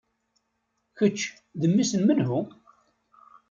Kečč d mmi-s n menhu?